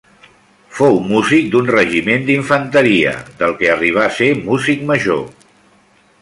Fou músic d'un regiment d'infanteria, del que arribà ser músic major.